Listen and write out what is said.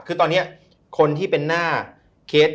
คือตอนนี้คนที่เป็นหน้าเคส